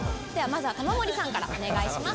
まずは玉森さんからお願いします。